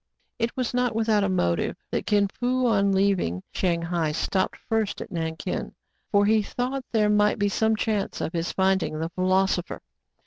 It was not without a motive that Kin Fo, on leaving Shang hai, stopped first at Nankin ; for he thought there might be some chance of his finding the philosopher.